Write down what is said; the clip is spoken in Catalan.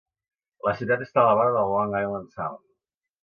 La ciutat està a la vora de Long Island Sound.